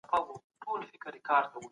ولي د پنبې او وړۍ تجارت دومره ارزښت درلود؟